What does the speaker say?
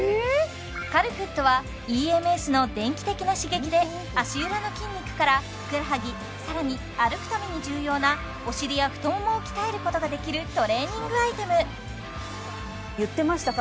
カルフットはＥＭＳの電気的な刺激で足裏の筋肉からふくらはぎさらに歩くために重要なお尻や太ももを鍛えることができるトレーニングアイテム言ってました